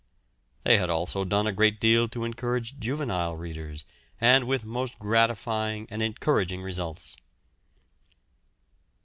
They had also done a great deal to encourage juvenile readers and with most gratifying and encouraging results.